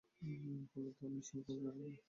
ফলে তা নিজ নিজ ঘরে মরে উপুড় হয়ে পড়ে থাকে।